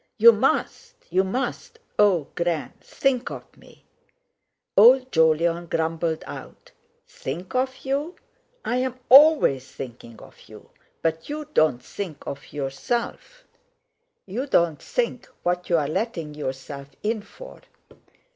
"You must! You must! Oh! Gran—think of me!" Old Jolyon grumbled out: "Think of you—I'm always thinking of you, but you don't think of yourself; you don't think what you're letting yourself in for.